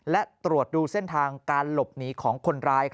และตรวจดูเส้นทางการหลบหนีของคนร้าย